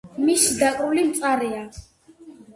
მისი დაკრული მწარეა.